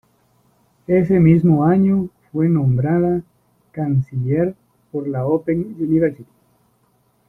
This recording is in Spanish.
Ese mismo año fue nombrada Canciller por la Open University.